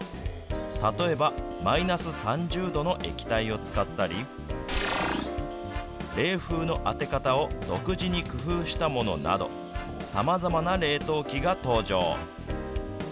例えば、マイナス３０度の液体を使ったり、冷風の当て方を独自に工夫したものなど、さまざまな冷凍機が登場。